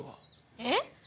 えっ？